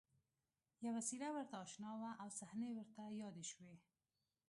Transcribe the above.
یوه څېره ورته اشنا وه او صحنې ورته یادې شوې